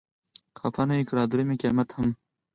خپه نه يو که رادرومي قيامت هم